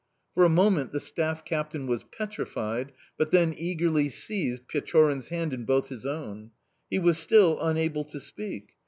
For a moment the staff captain was petrified, but then eagerly seized Pechorin's hand in both his own. He was still unable to speak.